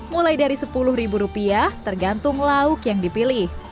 mulai dari sepuluh ribu rupiah tergantung lauk yang dipilih